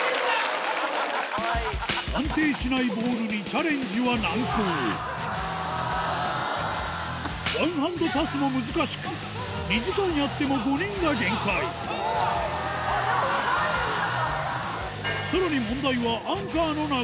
安定しないボールにチャレンジは難航ワンハンドパスも難しく２時間やっても５人が限界でもうまいねみんな。